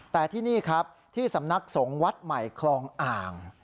แต่ที่นี่ครับที่สำนักสงฆ์วัดใหม่คลองอ่าง